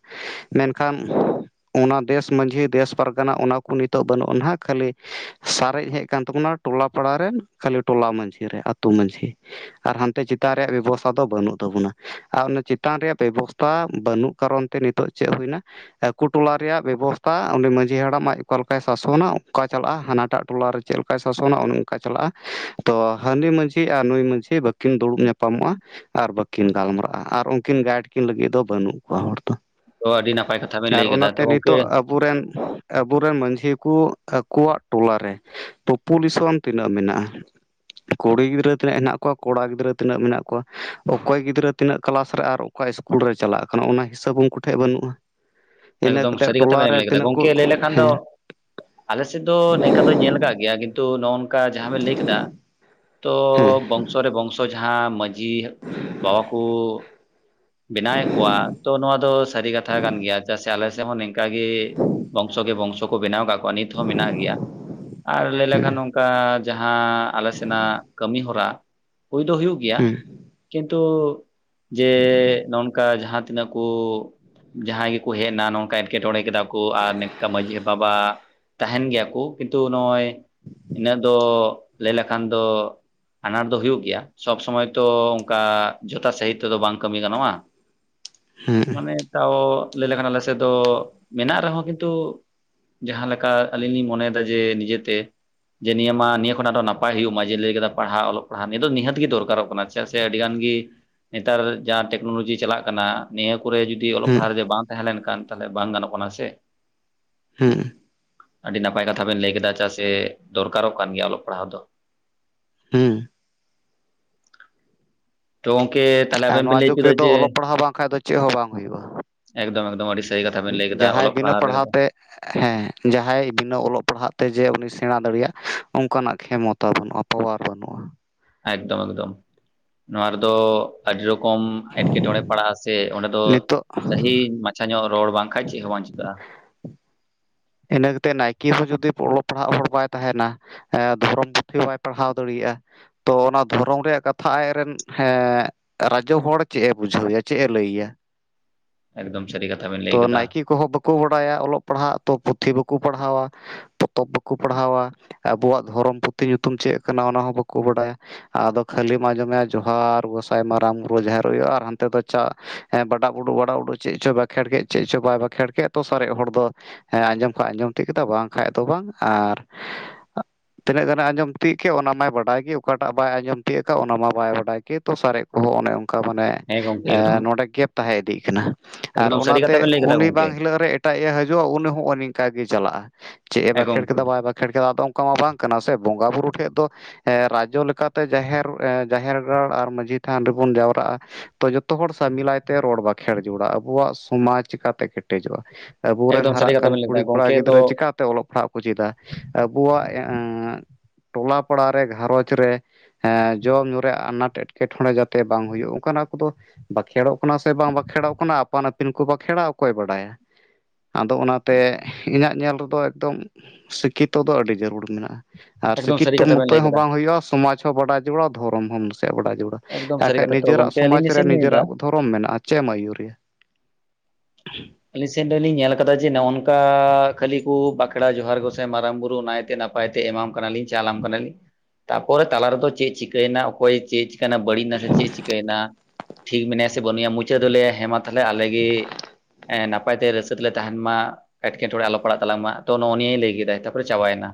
ᱢᱮᱱᱠᱷᱟᱱ ᱚᱱᱟ ᱫᱮᱥ ᱢᱟᱺᱡᱷᱤ, ᱫᱮᱥ ᱯᱟᱨᱜᱟᱱᱟ ᱚᱱᱟᱠᱚ ᱱᱤᱛᱚᱜ ᱵᱟᱹᱱᱩᱜ-ᱟ ᱱᱟᱦᱱᱟᱜ, ᱠᱷᱟᱹᱞᱤ ᱥᱟᱨᱮᱡ ᱦᱮᱡ ᱟᱠᱟᱱ ᱛᱟᱵᱚᱱᱟ ᱴᱚᱞᱟ ᱯᱟᱲᱟᱨᱮᱱ ᱠᱷᱟᱹᱞᱤ ᱴᱚᱞᱟ ᱢᱟᱺᱡᱷᱤ ᱨᱮ ᱟᱹᱛᱩᱳ ᱢᱟᱺᱡᱷᱤ ᱟᱨ ᱦᱟᱱᱛᱮ ᱪᱮᱛ ᱛᱟ ᱨᱮᱭᱟᱜ ᱵᱮᱵᱚᱥᱛᱷᱟ ᱫᱚ ᱵᱟᱹᱱᱩᱜ ᱛᱟᱵᱚᱱᱟ᱾ ᱟᱨ ᱚᱱᱟ ᱪᱮᱛᱟᱱ ᱨᱮᱭᱟᱜ ᱵᱮᱵᱚᱥᱛᱷᱟ ᱵᱟᱹᱱᱩᱜ ᱠᱟᱨᱚᱱ ᱛᱮ ᱱᱤᱛᱚᱜ ᱪᱮᱫ ᱦᱩᱭᱱᱟ ᱟᱠᱚ ᱴᱚᱞᱟ ᱨᱮᱭᱟᱜ ᱵᱮᱵᱚᱥᱛᱟ ᱩᱱᱤ ᱢᱟᱺᱡᱷᱤ ᱦᱟᱲᱟᱢ ᱟᱡ ᱚᱠᱟ ᱞᱮᱠᱟᱭ ᱥᱟᱥᱚᱱᱟ ᱚᱴᱚᱱᱠᱟ ᱪᱟᱞᱟᱜᱼᱟ᱾ ᱦᱟᱱᱟᱴᱟᱜ ᱴᱚᱞᱟᱨᱮ ᱪᱮᱫ ᱞᱮᱠᱟᱭ ᱥᱟᱥᱚᱱᱟ ᱚᱱᱮ ᱚᱱᱠᱟ ᱪᱟᱞᱟᱜ-ᱟ᱾ ᱛᱚ ᱦᱟᱹᱱᱤ ᱢᱟᱺᱡᱷᱤ ᱟᱨ ᱱᱩᱭ ᱢᱟᱺᱡᱷᱤ ᱵᱟᱠᱤ ᱠᱤᱱ ᱫᱩᱲᱩᱵ ᱧᱟᱯᱟᱢᱚᱜ-ᱟ ᱟᱨ ᱵᱟᱠᱤᱱ ᱜᱟᱞᱢᱟᱨᱟᱜ-ᱟ ᱟᱨ ᱩᱱᱠᱤᱱ ᱜᱟᱭᱤᱰ ᱠᱤᱱ ᱞᱟᱹᱜᱤᱫ ᱫᱚ ᱵᱟᱹᱱᱩᱜ ᱠᱚᱣᱟ ᱦᱚᱲ ᱫᱚ᱾ ᱛᱚ ᱟᱹᱰᱤ ᱱᱟᱯᱟᱭ ᱠᱟᱛᱷᱟ ᱵᱮᱱ ᱞᱟᱹᱭ ᱠᱮᱫᱟ᱾ ᱛᱚ ᱜᱚᱝᱠᱮ ᱟᱵᱩᱨᱮᱱ ᱟᱵᱩᱨᱮᱱ ᱢᱟᱡᱷᱤ ᱠᱚ ᱟᱠᱚᱣᱟᱜ ᱴᱚᱞᱟᱨᱮ ᱯᱚᱯᱩᱞᱮᱥᱚᱱ ᱛᱤᱱᱟᱹᱜ ᱢᱮᱱᱟᱜ-ᱟ᱾ ᱠᱩᱲᱤ ᱜᱤᱫᱽᱨᱟᱹ ᱛᱤᱱᱟᱹᱜ ᱦᱮᱱᱟᱜ ᱠᱚᱣᱟ, ᱠᱚᱲᱟ ᱜᱤᱫᱽᱟᱹ ᱛᱤᱱᱟᱹᱜ ᱢᱮᱱᱟᱜ ᱠᱚᱣᱟ᱾ ᱚᱠᱚᱭ ᱜᱤᱫᱽᱨᱟᱹ ᱛᱤᱱᱟᱹᱜ ᱠᱞᱟᱥ ᱨᱮ ᱟᱨ ᱚᱠᱟ ᱤᱥᱠᱩᱞ ᱨᱮ ᱪᱟᱞᱟᱜ ᱠᱟᱱᱟ ᱚᱱᱟ ᱦᱤᱥᱟᱹᱵᱽ ᱩᱱᱠᱩ ᱴᱷᱮᱱ ᱵᱟᱹᱱᱩᱜ-ᱟ᱾ ᱮᱠᱫᱚᱢ ᱥᱟᱹᱨᱤ ᱠᱟᱛᱷᱟ ᱵᱮᱱ ᱞᱟᱹᱭ ᱠᱮᱫᱟ᱾ ᱜᱚᱢᱠᱮ ᱠᱚ ᱞᱟᱹᱭ ᱞᱮᱠᱷᱟᱱ ᱫᱚ ᱦᱮᱸ ᱟᱞᱮᱥᱮᱫ ᱫᱚ ᱱᱮᱝᱠᱟ ᱫᱚᱧ ᱧᱮᱞ ᱠᱟᱜ ᱜᱮᱭᱟ᱾ ᱠᱤᱱ ᱛᱚ ᱱᱚᱝᱠᱟ ᱡᱟᱦᱟᱸ ᱵᱮᱱ ᱞᱟᱹᱭ ᱠᱮᱫᱟ ᱛᱚ ᱦᱮᱸ ᱵᱚᱝᱥᱚ ᱨᱮ ᱵᱚᱝᱥᱚ ᱛᱚ ᱡᱟᱦᱟᱸ ᱢᱟᱺᱡᱷᱤ ᱵᱟᱵᱟ ᱠᱚ ᱵᱮᱱᱟᱣ ᱠᱚᱣᱟ ᱛᱚ ᱱᱚᱣᱟ ᱫᱚ ᱥᱟᱹᱨᱤ ᱠᱟᱛᱷᱟ ᱠᱟᱱ ᱜᱮᱭᱟ᱾ ᱪᱮᱫᱟᱜ ᱥᱮ ᱟᱞᱮ ᱥᱮᱫ ᱦᱚᱸ ᱱᱮᱝ ᱠᱟᱜᱮ ᱵᱚᱝᱥᱚ ᱠᱮ ᱵᱚᱝᱥᱚ ᱠᱚ ᱵᱮᱱᱟᱣ ᱟᱠᱟᱫ ᱠᱚᱣᱟ᱾ ᱱᱤᱛ ᱦᱚᱸ ᱢᱮᱱᱟᱜ ᱜᱮᱭᱟ᱾ ᱟᱨ ᱞᱟᱹᱭ ᱦᱮᱸ ᱞᱮᱠᱷᱟᱱ ᱱᱚᱝᱠᱟ ᱡᱟᱦᱟᱸ ᱟᱞᱮ ᱥᱮᱱᱟᱜ ᱠᱟᱹᱢᱤ ᱦᱚᱨᱟ ᱦᱩᱭ ᱫᱚ ᱦᱩᱭᱩᱜ ᱜᱮᱭᱟ ᱦᱮᱸ ᱾ ᱠᱤᱱᱛᱩ ᱡᱮ ᱱᱚᱜ-ᱚᱱᱠᱟ ᱡᱟᱦᱟᱸ ᱛᱤᱱᱟᱹᱜ ᱠᱚ ᱡᱟᱦᱟᱸᱭ ᱜᱮ ᱠᱚ ᱦᱮᱡ ᱮᱱᱟ ᱱᱚᱝᱠᱟ ᱮᱴᱠᱮᱴᱚᱬᱮ ᱠᱮᱫᱟ ᱠᱚ ᱟᱨ ᱱᱤᱝᱠᱟ ᱢᱟᱺᱡᱷᱤ ᱵᱟᱵᱟ ᱛᱟᱦᱮᱱ ᱜᱮᱭᱟ ᱠᱚ ᱠᱤᱱᱛᱩ ᱱᱚᱜ-ᱚᱭ ᱤᱱᱟᱹᱜ ᱫᱚ ᱞᱟᱹᱭ ᱞᱮᱠᱷᱟᱱ ᱫᱚ ᱟᱱᱟᱴ ᱫᱚ ᱦᱩᱭᱩᱜ ᱜᱮᱭᱟ ᱥᱚᱵᱽ ᱥᱚᱢᱚᱭ ᱛᱚ ᱚᱱᱠᱟ ᱡᱚᱛᱷᱟᱛ ᱥᱟᱺᱦᱤᱡ ᱛᱮ ᱫᱚ ᱵᱟᱝ ᱠᱟᱹᱢᱤ ᱜᱟᱱᱚᱜ-ᱟ ᱦᱮᱸ ᱾ [inaudible] ᱢᱟᱱᱮ ᱛᱟᱣ ᱞᱟᱹᱭ ᱞᱮᱠᱷᱟᱱ ᱟᱞᱮ ᱥᱮᱫ ᱫᱚ ᱢᱮᱱᱟᱜ ᱨᱮᱦᱚᱸ ᱠᱤᱱᱛᱩ ᱡᱟᱦᱟᱸ ᱞᱮᱠᱟ ᱟᱞᱤᱧ ᱞᱤᱧ ᱢᱚᱱᱮᱭᱮᱫᱟ ᱡᱮ ᱱᱤᱡᱮᱛᱮ ᱡᱮ ᱱᱤᱭᱟᱹ ᱢᱟ ᱱᱤᱭᱟᱹ ᱠᱷᱚᱱ ᱟᱨᱚ ᱱᱟᱯᱟᱭ ᱦᱩᱭᱩᱜ ᱢᱟ ᱡᱮ, ᱞᱟᱹᱭ ᱠᱮᱫᱟ ᱯᱟᱲᱦᱟᱣ ᱚᱞᱚᱜ ᱯᱟᱲᱦᱟᱣ ᱱᱤᱭᱟᱹ ᱫᱚ ᱱᱤᱦᱟᱹᱛ ᱜᱮ ᱫᱚᱨᱠᱟᱨᱚᱜ ᱠᱟᱱᱟ ᱾ ᱪᱮᱫᱟᱜ ᱥᱮ ᱟᱹᱰᱤᱜᱟᱱ ᱜᱮ ᱱᱮᱛᱟᱨ ᱡᱟᱦᱟᱸ ᱴᱮᱠᱱᱳᱞᱳᱡᱤ ᱪᱟᱞᱟᱜ ᱠᱟᱱᱟ ᱱᱤᱭᱟᱹ ᱠᱚᱨᱮ ᱡᱩ ᱫᱤ ᱚᱞᱚᱜ ᱦᱮᱸ ᱯᱟᱲᱦᱟᱣ ᱨᱮ ᱵᱟᱝ ᱛᱟᱦᱮᱸ ᱞᱮᱱ ᱠᱷᱟᱱ ᱛᱟᱦᱚᱞᱮ ᱵᱟᱝ ᱜᱟᱱᱚᱜ ᱠᱟᱱᱟ ᱥᱮ ᱾ ᱦᱩᱸᱜ ᱾ ᱟᱹᱰᱤ ᱱᱟᱯᱟᱭ ᱠᱟᱛᱷᱟ ᱵᱮᱱ ᱞᱟᱹᱭ ᱠᱮᱫᱟ ᱪᱮᱫᱟᱜ ᱥᱮ ᱫᱚᱨᱠᱟᱨᱚᱜ ᱠᱟᱱ ᱜᱮᱭᱟ ᱚᱞᱚᱜ ᱯᱟᱲᱦᱟᱣ ᱫᱚ ᱾ ᱦᱩᱸ ᱾ ᱛᱚ ᱜᱚᱝᱠᱮ ᱛᱟᱦᱚᱞᱮ ᱟᱨ ᱟᱵᱮᱱ ᱵᱮᱱ ᱱᱚᱣᱟ ᱞᱟᱹᱭ ᱡᱩᱜᱽ ᱦᱚᱪᱚᱭᱮᱫᱟ ᱨᱮᱫᱚ ᱡᱮ ᱚᱞᱚᱜ ᱯᱟᱲᱦᱟᱣ ᱵᱟᱝᱠᱟᱡ ᱫᱚ ᱪᱮᱫ ᱦᱚᱸ ᱵᱟᱝ ᱦᱩᱭᱩᱜ-ᱟ ᱾ ᱮᱠᱫᱚᱢ ᱮᱠᱫᱚᱢ ᱟᱹᱰᱤ ᱥᱟᱹᱨᱤ ᱠᱟᱛᱷᱟ ᱵᱮᱱ ᱞᱟᱹᱭ ᱠᱮᱫᱟ ᱚᱞᱚᱜ ᱵᱤᱱᱟᱹ ᱯᱟᱲᱦᱟᱣ ᱨᱮᱜᱮ ᱫᱚ ᱛᱮ ᱦᱮᱸ ᱡᱟᱦᱟᱸᱭ ᱵᱤᱱᱟᱹ ᱚᱞᱚᱜ ᱯᱟᱲᱦᱟᱜ ᱛᱮ ᱡᱮ ᱩᱱᱤ ᱥᱮᱬᱟ ᱫᱟᱲᱮᱭᱟᱜ-ᱟ ᱚᱱᱠᱟᱱᱟᱜ ᱠᱷᱮᱢᱚᱛᱟ ᱵᱟᱹᱱᱩᱜ-ᱟ ᱾ ᱯᱟᱣᱟᱨ ᱵᱟᱹᱱᱩᱜ-ᱟ ᱾ ᱮᱠᱫᱚᱢ ᱮᱠᱫᱚᱢ ᱾ [inaudible] ᱱᱚᱣᱟ ᱨᱮᱫᱚ ᱟᱹᱰᱤ ᱨᱚᱠᱚᱢ ᱮᱴᱠᱮᱴᱚᱬᱮ ᱯᱟᱲᱟᱜ-ᱟ ᱥᱮ ᱚᱸᱰᱮ ᱫᱚ ᱱᱤᱛᱚᱜ ᱥᱟᱹᱦᱤ ᱢᱟᱪᱷᱟ ᱧᱚᱜ ᱨᱚᱲ ᱵᱟᱝᱠᱷᱟᱡ ᱪᱮᱫ ᱦᱚᱸ ᱵᱟᱝ ᱪᱤᱠᱟᱹᱜ-ᱟ ᱾ ᱤᱱᱟᱹ ᱠᱟᱛᱮᱫ ᱱᱟᱭᱠᱮ ᱦᱚᱸ ᱡᱩᱫᱤ ᱚᱞᱚᱜ ᱯᱟᱲᱦᱟᱜ ᱦᱚᱲ ᱵᱟᱭ ᱛᱟᱦᱮᱱᱟ ᱮ ᱫᱷᱚᱨᱚᱢ ᱯᱩᱛᱷᱤ ᱦᱚᱸ ᱵᱟᱭ ᱯᱟᱲᱦᱟᱣ ᱫᱟᱲᱮᱭᱟᱜ-ᱟ ᱾ ᱛᱚ ᱚᱱᱟ ᱫᱷᱚᱨᱚᱢ ᱨᱮᱭᱟᱜ ᱠᱟᱛᱷᱟ ᱟᱡ ᱨᱮᱱ ᱦᱮᱸ ᱨᱟᱡᱚ ᱦᱚᱲ ᱪᱮᱫ ᱮ ᱵᱩᱡᱷᱟᱹᱣ ᱮᱭᱟ ᱪᱮᱫ ᱮ ᱞᱟᱹᱭ ᱟᱭᱟ ᱾ ᱮᱠᱫᱚᱢ ᱥᱟᱹᱨᱤ ᱠᱟᱛᱷᱟ ᱵᱮᱱ [inaudible] ᱞᱟᱹᱭ ᱛᱚ ᱠᱟᱫᱟ ᱱᱟᱭᱠᱮ ᱠᱚᱦᱚᱸ ᱵᱟᱠᱚ ᱵᱟᱲᱟᱭᱟ ᱚᱞᱚᱜ ᱯᱟᱲᱦᱟᱜ ᱛᱚ ᱯᱩᱛᱷᱤ ᱵᱟᱠᱚ ᱯᱟᱲᱦᱟᱣᱟ ᱾ ᱯᱚᱛᱚᱵ ᱵᱟᱠᱚ ᱯᱟᱲᱦᱟᱣᱟ, ᱟᱵᱚᱣᱟᱜ ᱫᱷᱚᱨᱚᱢ ᱯᱩᱛᱷᱤ ᱧᱩᱛᱩᱢ ᱪᱮᱫ ᱠᱟᱱᱟ ᱚᱱᱟᱦᱚᱸ ᱵᱟᱠᱚ ᱵᱟᱰᱟᱭᱟ ᱾ ᱟᱫᱚ ᱠᱷᱟᱹᱞᱤᱢ ᱟᱸᱡᱚᱢ ᱮᱭᱟ ᱡᱚᱦᱟᱨ ᱜᱚᱸᱥᱟᱭ ᱢᱟᱨᱟᱝ ᱵᱩᱨᱩ ᱡᱟᱦᱮᱨ ᱟᱭᱳ ᱟᱨ ᱦᱟᱱᱛᱮ ᱫᱚ ᱪᱟᱜ ᱦᱮᱸ ᱵᱟᱰᱟᱜ ᱵᱩᱰᱩᱜ ᱵᱟᱰᱟᱜ ᱵᱩᱰᱩᱜ ᱪᱮᱫ ᱪᱚ ᱵᱟᱸᱠᱷᱮᱲᱠ ᱪᱮᱫ ᱪᱚ ᱵᱟᱭ ᱵᱟᱠᱷᱮᱲ ᱠᱮᱫ ᱛᱚ ᱥᱟᱨᱮᱡ ᱦᱚᱲ ᱫᱚ ᱦᱮᱸ ᱟᱸᱡᱚᱢ ᱠᱷᱟᱡ ᱟᱸᱡᱚᱢ ᱛᱤᱭᱟᱹᱜ ᱠᱮᱫᱟ ᱵᱟᱝ ᱠᱷᱟᱡ ᱫᱚ ᱵᱟᱝ ᱟᱨ [inaudible] ᱛᱤᱱᱟᱹᱜ ᱜᱟᱱᱮ ᱟᱸᱡᱚᱢ ᱛᱤᱭᱟᱹᱜ ᱠᱮᱫ ᱚᱱᱟ ᱢᱟᱭ ᱵᱟᱰᱟᱭ ᱜᱮ ᱚᱠᱟᱴᱟᱜ ᱵᱟᱭ ᱟᱸᱡᱚᱢ ᱛᱤᱭᱟᱹᱜ ᱟᱠᱟᱫ ᱚᱱᱟ ᱢᱟ ᱵᱟᱭ ᱵᱟᱰᱟᱭ ᱠᱮ ᱛᱚ ᱥᱟᱨᱮᱡ ᱠᱚᱦᱚᱸ ᱚᱱᱮ ᱚᱱ ᱠᱟ ᱢᱟᱱᱮ ᱦᱮᱸ ᱜᱚᱝᱠᱮ ᱮᱠᱫᱚᱢ ᱮᱸᱻ ᱱᱚᱰᱮ ᱜᱮᱯ ᱛᱟᱦᱮᱸ ᱤᱫᱤᱜ ᱠᱟᱱᱟ ᱾ ᱟᱨ ᱮᱠᱫᱚᱢ ᱥᱟᱹᱨᱤ ᱠᱟᱛᱷᱟ ᱚᱱᱟᱛᱮ ᱵᱮᱱ ᱞᱟᱹᱭ ᱠᱟᱫᱟ ᱩᱱᱤ ᱜᱚᱝᱠᱮ ᱵᱟᱝ ᱦᱤᱞᱳᱜ ᱨᱮ ᱮᱴᱟᱜ ᱤᱜ ᱮ ᱦᱤᱡᱩᱜ-ᱟ ᱩᱱᱤ ᱱᱚᱜ-ᱚ ᱱᱤᱝᱠᱟ ᱜᱮ ᱪᱟᱞᱟᱜ-ᱟ ᱪᱮᱫ ᱮ ᱦᱮᱸ ᱵᱟᱠᱷᱮᱲ ᱜᱚᱝᱠᱮ ᱠᱮᱫᱟ ᱵᱟᱭ ᱵᱟᱸᱠᱷᱮᱲ ᱠᱮᱫᱟ ᱟᱫᱚ ᱚᱱᱠᱟ ᱢᱟ ᱵᱟᱝ ᱠᱟᱱᱟ ᱥᱮ ᱵᱚᱸᱜᱟ ᱵᱩᱨᱩ ᱴᱷᱮᱡ ᱫᱚ ᱮ ᱨᱟᱡᱽᱡᱚ ᱞᱮᱠᱟᱛᱮ ᱡᱟᱦᱮᱨ ᱮᱸ ᱡᱟᱦᱮᱨ ᱜᱟᱲ ᱟᱨ ᱢᱟᱺᱡᱷᱤ ᱛᱷᱟᱱ ᱨᱮᱵᱚᱱ ᱡᱟᱣᱨᱟᱜ-ᱟ ᱾ ᱛᱚ ᱡᱚᱛᱚ ᱦᱚᱲ ᱥᱟᱢᱤᱞᱟᱭ ᱛᱮ ᱨᱚᱲ ᱵᱟᱸᱠᱷᱮᱲ ᱡᱩᱲᱟᱜ-ᱟ ᱵᱚᱣᱟᱜ ᱥᱚᱢᱟᱡᱽ ᱪᱤᱠᱟᱛᱮ ᱠᱮᱴᱮᱡᱚᱜ-ᱟ ᱾ ᱮᱠᱫᱚᱢ ᱥᱟᱹᱨᱤ ᱠᱟᱛᱷᱟ ᱵᱮᱱ ᱞᱟᱹᱭ ᱮᱫᱟ ᱜᱚᱝᱠᱮ ᱫᱚ ᱚᱱᱟ ᱛᱮ ᱚᱞᱚᱜ ᱯᱟᱲᱦᱟᱜ ᱠᱚ ᱪᱮᱫᱟ ᱾ ᱟᱵᱚᱣᱟᱜ ᱮᱸᱜ ᱴᱚᱞᱟ ᱯᱟᱲᱟ ᱨᱮ ᱜᱷᱟᱸᱨᱚᱸᱡᱽ ᱨᱮ ᱮᱸ ᱡᱚᱢ ᱧᱩ ᱨᱮ ᱟᱱᱟᱴ ᱮᱴᱠᱮᱴᱚᱬᱮ ᱡᱟᱛᱮ ᱵᱟᱝ ᱦᱩᱭᱩᱜ ᱚᱱᱠᱟᱱᱟᱜ ᱠᱚᱫᱚ ᱵᱟᱸᱠᱷᱮᱲᱚᱜ ᱠᱟᱱᱟ ᱥᱮ ᱵᱟᱝ ᱵᱟᱸᱠᱷᱮᱲᱚᱜ ᱠᱟᱱᱟ ᱟᱯᱟᱱ ᱟᱹᱯᱤᱱ ᱠᱚ ᱵᱟᱸᱠᱷᱮᱲᱟ ᱚᱠᱚᱭ ᱵᱟᱰᱟᱭᱟ ᱾ [inaudible] ᱟᱫᱚ ᱚᱱᱟ ᱛᱮ ᱤᱧᱟᱹᱜ ᱧᱮᱞ ᱨᱮᱫᱚ ᱮᱠᱫᱚᱢ ᱥᱤᱠᱠᱷᱤᱛᱚ ᱫᱚ ᱟᱹᱰᱤ ᱡᱟᱹᱨᱩᱲ ᱢᱮᱱᱟᱜ-ᱟ ᱾ ᱟᱨ ᱮᱠᱫᱚᱢ ᱥᱟᱹᱨᱤ ᱥᱤᱠᱠᱷᱤᱛᱚ ᱠᱟᱛᱷᱟ ᱵᱮᱱ ᱢᱚᱛᱚ ᱞᱟᱹᱭ ᱦᱚᱸ ᱠᱟᱫᱟ ᱵᱟᱝ ᱦᱩᱭᱩᱜ-ᱟ ᱥᱚᱢᱟᱡᱽ ᱦᱚᱸ ᱵᱟᱰᱟᱭ ᱡᱟᱨᱩᱲᱟ ᱫᱷᱚᱨᱚᱢ ᱦᱚᱸ ᱱᱟᱥᱮᱭᱟᱜ ᱵᱟᱰᱟᱭ ᱡᱟᱨᱩᱲᱟ ᱾ ᱮᱠᱫᱚᱢ ᱦᱟᱸᱜ ᱥᱟᱹᱨᱤ ᱠᱷᱟᱡ ᱠᱟᱛᱷᱟ ᱛᱚ ᱱᱤᱡᱮᱨᱟᱜ ᱜᱚᱝᱠᱮ ᱟᱹᱞᱤᱧ ᱥᱚᱢᱟᱡᱽ ᱱᱟᱥᱮ ᱨᱮ ᱞᱤᱧ ᱞᱟᱹᱭᱫᱟ ᱱᱤᱡᱮᱨᱟᱜ ᱫᱷᱚᱨᱚᱢ ᱢᱮᱱᱟᱜ-ᱟ ᱪᱮᱫ ᱮᱢ ᱟᱭᱩᱨᱮᱭᱟ ᱾ [inaudible] ᱟᱹᱞᱤᱧ ᱥᱮᱱ ᱨᱮᱞᱤᱧ ᱧᱮᱞ ᱠᱟᱫᱟ ᱡᱮ ᱱᱚᱜ ᱚᱝᱠᱟ ᱠᱷᱟᱹᱞᱤ ᱠᱚ ᱵᱟᱸᱠᱷᱮᱲᱟ ᱡᱚᱦᱟᱨ ᱜᱚᱥᱟᱭ ᱢᱟᱨᱟᱝ ᱵᱩᱨᱩ ᱱᱟᱭᱛᱮ ᱱᱟᱯ ᱱᱟᱯᱟᱭ ᱛᱮ ᱮᱢᱟᱢ ᱠᱟᱱᱟᱞᱤᱧ ᱪᱟᱞᱟᱢ ᱠᱟᱱᱟᱞᱤᱧ ᱛᱟᱯᱚᱨᱮ ᱛᱟᱞᱟ ᱨᱮᱫᱚ ᱪᱮᱫ ᱪᱤᱠᱟᱹᱭᱮᱱᱟ ᱚᱠᱚᱭ ᱪᱮᱫ ᱵᱟᱹᱲᱤᱡ ᱱᱟ ᱥᱮ ᱪᱮᱫ ᱪᱤᱠᱟᱹᱭᱮᱱᱟ ᱴᱷᱤᱠ ᱢᱮᱱᱟᱭᱟ ᱥᱮ ᱵᱟᱹᱱᱩᱭᱟ ᱢᱩᱪᱟᱹᱫ ᱫᱚᱭ ᱞᱟᱹᱭᱟ ᱦᱮᱸ ᱢᱟ ᱛᱟᱦᱚᱞᱮ ᱟᱞᱮᱜᱮ ᱮᱻ ᱱᱟᱯᱟᱭ ᱛᱮ ᱨᱟᱹᱥᱠᱟᱹ ᱛᱮᱞᱮ ᱛᱟᱦᱮᱱ ᱢᱟ᱾ ᱮᱴᱠᱮᱴᱚᱬᱮ ᱟᱞᱚ ᱯᱟᱲᱟᱜ ᱛᱟᱞᱮᱢᱟ ᱛᱚ ᱱᱚᱜ ᱱᱤᱭᱟᱹᱭ ᱞᱟᱹᱭ ᱠᱮᱫᱟᱭ ᱛᱟᱯᱚᱨᱮ ᱪᱟᱵᱟᱭᱮᱱᱟ,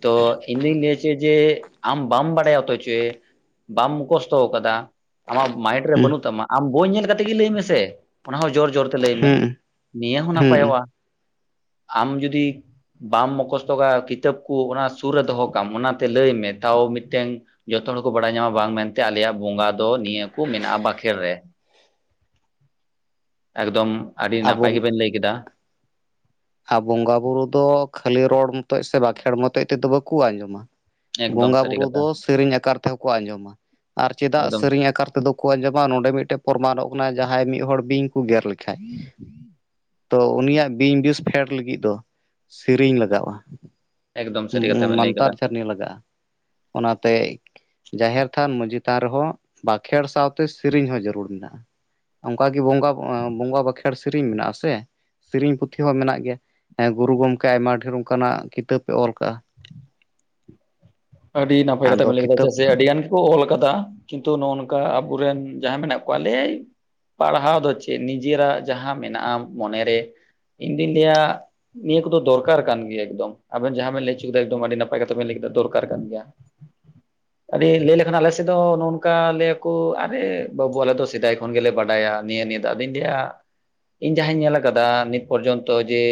ᱛᱚ ᱤᱧ ᱫᱩᱧ ᱞᱟᱹᱭᱟ ᱪᱮ ᱡᱮ ᱟᱢ ᱵᱟᱢ ᱵᱟᱲᱟᱭᱟ ᱚᱛᱚᱪᱮ ᱵᱟᱢ ᱢᱩᱠᱚᱥᱛᱚᱣ ᱠᱟᱫᱟ ᱾ ᱟᱢᱟᱜ ᱢᱟᱭᱤᱱᱰ ᱨᱮ ᱦᱩᱸ ᱵᱟᱹᱱᱩᱜ ᱛᱟᱢᱟ ᱟᱢ ᱵᱳᱭ ᱧᱮᱞ ᱠᱟᱛᱮᱜ ᱜᱮ ᱞᱟᱹᱭ ᱢᱮᱥᱮ ᱚᱱᱟ ᱦᱚᱸ ᱡᱳᱨ ᱡᱳᱨ ᱾ ᱞᱟᱹᱭ ᱢᱮ ᱦᱩᱸ ᱱᱤᱭᱟᱹ ᱦᱚᱸ ᱦᱩᱸ ᱱᱟᱯᱟᱭᱚᱜ-ᱟ, ᱟᱢ ᱡᱩᱫᱤ ᱵᱟᱢ ᱢᱠᱚᱥᱛᱚᱜ ᱠᱟᱜ-ᱟ ᱠᱤᱛᱟᱹᱵ ᱠᱚ ᱚᱱᱟ ᱥᱩᱨ ᱨᱮ ᱫᱚᱦᱚ ᱠᱟᱜᱟᱢ ᱚᱱᱟᱛᱮ ᱞᱟᱹᱭ ᱢᱮ ᱛᱟᱣ ᱢᱤᱫᱴᱮᱱ ᱡᱚᱛᱚ ᱦᱚᱲᱠᱚ ᱵᱟᱲᱟᱭ ᱧᱟᱢᱟ ᱵᱟᱝ ᱢᱮᱱᱛᱮ ᱟᱞᱮᱭᱟᱜ ᱵᱚᱸᱜᱟ ᱫᱚ ᱱᱤᱭᱟᱹ ᱠᱚ ᱢᱮᱱᱟᱜ-ᱟ ᱵᱟᱠᱷᱮᱲ ᱨᱮ ᱾ ᱮᱠᱫᱚᱢ ᱟᱹᱰᱤ ᱟᱵᱚ ᱱᱟᱯᱟᱭ ᱜᱮᱵᱮᱱ ᱞᱟᱹᱭ ᱠᱮᱫᱟ ᱾ ᱟᱨ ᱵᱚᱸᱜᱟ ᱵᱩᱨᱩ ᱫᱚ ᱠᱷᱟᱹᱞᱤ ᱨᱚᱲ ᱢᱚᱛᱚᱡ ᱥᱮ ᱵᱟᱸᱠᱷᱮᱬ ᱢᱚᱛᱚᱡ ᱛᱮᱫᱚ ᱵᱟᱠᱚ ᱟᱸᱡᱚᱢᱟ᱾ ᱮᱠᱫᱚᱢ ᱵᱚᱸᱜᱟ ᱥᱟᱹᱨᱤ ᱵᱩᱨᱩ ᱠᱟᱛᱷᱟ ᱫᱚ ᱥᱮᱨᱮᱧ ᱟᱠᱟᱨ ᱛᱮᱦᱚᱸ ᱠᱚ ᱟᱸᱡᱚᱢᱟ ᱟᱨ ᱪᱮᱫᱟᱜ ᱮᱠᱫᱚᱢ ᱥᱮᱨᱮᱧ ᱟᱠᱟᱨ ᱛᱮᱫᱚ ᱟᱸᱡᱚᱢᱟ ᱱᱚᱰᱮ ᱢᱤᱫᱴᱮᱡ ᱯᱨᱚᱢᱟᱱᱚᱜ ᱠᱟᱱᱟ ᱡᱟᱦᱟᱸᱭ ᱢᱤᱫ ᱦᱚᱲ ᱵᱤᱧ ᱠᱚ ᱜᱮᱨ ᱞᱮᱠᱷᱟᱹᱡ ᱛᱚ ᱩᱱᱤᱭᱟᱜ ᱵᱤᱧ ᱵᱤᱥ ᱯᱷᱮᱰ ᱞᱟᱹᱜᱤᱫ ᱫᱚ ᱥᱤᱨᱤᱧ ᱞᱟᱜᱟᱜ-ᱟ ᱮᱠᱫᱚᱢ ᱥᱟᱹᱨᱤ ᱠᱟᱛᱷᱟ ᱾ ᱵᱮᱱ ᱞᱟᱹᱭ ᱠᱟᱫᱟ ᱢᱟᱱᱛᱟᱨ ᱡᱷᱟᱹᱨᱱᱤ ᱞᱟᱜᱟᱜ-ᱟ, ᱚᱱᱟᱛᱮ ᱡᱟᱦᱮᱨ ᱛᱷᱟᱱ ᱢᱟᱺᱡᱷᱤ ᱛᱷᱟᱱ ᱨᱮᱦᱚᱸ ᱵᱟᱸᱠᱷᱮᱲ ᱥᱟᱶᱛᱮ ᱥᱮᱨᱮᱧ ᱦᱚᱸ ᱡᱟᱹᱨᱩᱲ ᱢᱮᱱᱟᱜ-ᱟ ᱾ ᱚᱱᱠᱟᱜᱤ ᱵᱚᱸᱜᱟ ᱵᱚᱸᱜᱟ ᱵᱟᱸᱠᱷᱮᱬ ᱥᱮᱨᱮᱤᱧ ᱢᱮᱱᱟᱜ ᱟᱥᱮ ᱥᱮᱨᱮᱧ ᱯᱩᱛᱷᱤ ᱦᱚᱸ ᱢᱮᱱᱟᱜ ᱜᱮᱭᱟ ᱾ ᱦᱮᱸ ᱜᱩᱨᱩ ᱜᱚᱝᱠᱮ ᱟᱭᱢᱟ ᱰᱷᱮᱨ ᱚᱱᱠᱟᱱᱟᱜ ᱠᱤᱛᱟᱹᱵ ᱮ ᱚᱞ ᱠᱟᱜ-ᱟ ᱾ ᱟᱹᱰᱤ ᱱᱟᱯᱟᱭ ᱠᱟᱛᱷᱟ ᱵᱤᱱ ᱟᱫᱚ ᱞᱟᱹᱭ ᱠᱮᱫᱟ ᱪᱮᱫᱟᱜ ᱠᱤᱛᱟᱹᱵ ᱥᱮ ᱟᱹᱰᱤ ᱜᱟᱱ ᱠᱚ ᱚᱞ ᱠᱟᱫᱟ ᱠᱤᱱᱛᱩ ᱱᱚᱜ ᱱᱚᱝᱠᱟ ᱟᱵᱚᱨᱮᱱ ᱡᱟᱦᱟᱸᱭ ᱢᱮᱱᱟᱜ ᱠᱚᱣᱟ ᱞᱟᱹᱭᱟᱭ ᱯᱟᱲᱦᱟᱣ ᱫᱚ ᱪᱮᱫ ᱱᱤᱡᱮᱨᱟᱜ ᱡᱟᱦᱟᱸ ᱢᱮᱱᱟᱜ-ᱟ ᱢᱚᱱᱮᱨᱮ ᱤᱧᱫᱩᱧ ᱞᱟᱹᱭᱟ ᱱᱤᱭᱟᱹ ᱠᱚᱫᱚ ᱫᱚᱨᱠᱟᱨ ᱠᱟᱱ ᱜᱮᱭᱟ ᱮᱠᱫᱚᱢ ᱟᱵᱮᱱ ᱡᱟᱦᱟᱸ ᱵᱮᱱ ᱞᱟᱹᱭᱪᱚ ᱠᱮᱫᱟ ᱟᱹᱰᱤ ᱱᱟᱯᱟᱭ ᱠᱟᱛᱷᱟ ᱵᱮᱱ ᱞᱟᱹᱭ ᱠᱮᱫᱟ ᱫᱚᱨᱠᱟᱨ ᱠᱟᱨ ᱠᱟᱱ ᱜᱮᱭᱟ ᱾ [unintelligible] ᱟᱹᱰᱤ ᱞᱟᱹᱭ ᱞᱮᱠᱷᱟᱱ ᱟᱞᱮ ᱥᱮᱫ ᱫᱚ ᱱᱚᱜᱚ ᱱᱚᱝᱠᱟ ᱞᱟᱹᱭᱟ ᱠᱚ ᱟᱨᱮ ᱵᱟᱹᱵᱩ ᱟᱞᱮ ᱫᱚ ᱥᱮᱫᱟᱭ ᱠᱷᱚᱱ ᱜᱮᱞᱮ ᱵᱟᱰᱟᱭᱟ ᱱᱤᱭᱟᱹ ᱱᱤᱭᱟᱹ ᱟᱫᱚᱧ ᱞᱟᱹᱭᱟ ᱤᱧ ᱡᱟᱦᱟᱸᱧ ᱧᱮᱞ ᱠᱟᱫᱟ ᱱᱤᱛ ᱯᱚᱨᱡᱚᱱᱛᱚ ᱡᱮ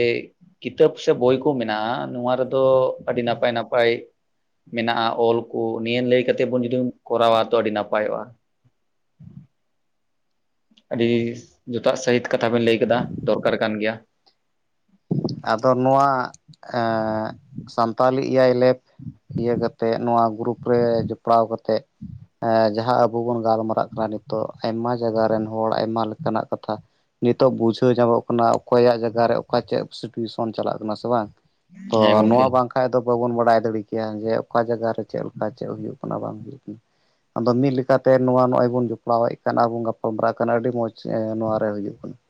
ᱠᱤᱛᱟᱹᱵ ᱥᱮ ᱵᱳᱭ ᱠᱚ ᱢᱮᱱᱟᱜ-ᱟ ᱱᱚᱣᱟ ᱨᱮᱫᱚ ᱟᱹᱰᱤ ᱱᱟᱯᱟᱭ ᱱᱟᱯᱟᱭ ᱢᱮᱱᱟᱜ-ᱟ ᱚᱞᱠᱩ ᱱᱤᱭᱟᱹ ᱞᱟᱹᱭ ᱠᱟᱛᱮᱫ ᱵᱚᱱ ᱡᱩᱫᱤ ᱠᱚᱨᱟᱣᱟ ᱛᱚ ᱟᱹᱰᱤ ᱱᱟᱯᱟᱭᱚᱜ-ᱟ ᱾ ᱟᱹᱰᱤ ᱡᱚᱛᱟᱛ ᱥᱟᱹᱦᱤᱛ ᱠᱟᱛᱷᱟ ᱵᱮᱤᱱ ᱞᱟᱹᱭ ᱠᱟᱫᱟ ᱫᱚᱨᱠᱟᱨ ᱠᱟᱱ ᱜᱮᱭᱟ ᱾ ᱟᱫᱚ ᱱᱚᱣᱟ ᱮᱸ ᱥᱟᱱᱛᱟᱞᱤ ᱮᱭᱟᱭ ᱞᱮᱯ ᱤᱭᱟᱹ ᱠᱟᱛᱮᱫ ᱱᱚᱣᱟ ᱜᱨᱩᱯ ᱨᱮ ᱡᱚᱯᱲᱟᱣ ᱠᱟᱛᱮᱫ ᱮ ᱡᱟᱦᱟᱸ ᱟᱵᱚ ᱵᱚᱱ ᱜᱟᱞᱢᱟᱨᱟᱜ ᱠᱟᱱᱟ ᱱᱤᱛᱚᱜ ᱟᱭᱢᱟ ᱡᱟᱭᱜᱟ ᱨᱮᱱ ᱦᱚᱲ ᱟᱭᱢᱟ ᱞᱮᱠᱟᱱᱟᱜ ᱠᱟᱛᱷᱟ ᱾ ᱱᱤᱛᱚᱜ ᱵᱩᱡᱷᱟᱹᱣ ᱧᱟᱢᱚᱜ ᱠᱟᱱᱟ ᱚᱠᱚᱭᱟᱜ ᱡᱟᱭᱜᱟ ᱨᱮ ᱚᱠᱟ ᱪᱮᱫ [unintelligible] ᱪᱟᱞᱟᱸᱜ ᱠᱟᱱᱟ ᱥᱮ ᱵᱟᱝ ᱦᱮᱸ ᱜᱚᱝᱠᱮ ᱱᱚᱣᱟ ᱵᱟᱝ ᱵᱟᱠᱷᱟᱡ ᱫᱚ ᱵᱟᱵᱚᱱ ᱵᱟᱲᱟᱭ ᱫᱟᱲᱮ ᱠᱮᱭᱟ ᱡᱮ ᱚᱠᱟ ᱡᱟᱭᱜᱟ ᱨᱮ ᱪᱮᱫ ᱞᱮᱠᱟ ᱪᱮᱫ ᱦᱩᱭᱩᱜ ᱠᱟᱱᱟ ᱵᱟᱝ ᱦᱩᱭᱩᱜ ᱠᱟᱱᱟ ᱾ ᱟᱫᱚ ᱢᱤᱫ ᱞᱮᱠᱟᱛᱮ ᱱᱚᱣᱟ ᱱᱚᱜᱚᱭ ᱵᱚᱱ ᱡᱚᱯᱲᱟᱣᱮᱫ ᱠᱟᱱ ᱟᱨᱵᱚᱱ ᱜᱟᱯᱟᱞᱢᱟᱨᱟᱜ ᱠᱟᱱᱟ ᱟᱹᱰᱤ ᱢᱚᱸᱡᱽ ᱱᱚᱣᱟ ᱨᱮ ᱦᱩᱭᱩᱜ ᱠᱟᱱᱟ ᱾